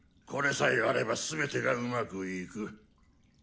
これさえあればすべてがうまくいく。